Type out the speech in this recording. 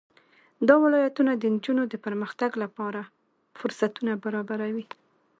دا ولایتونه د نجونو د پرمختګ لپاره فرصتونه برابروي.